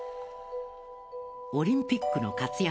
オリンピックの活躍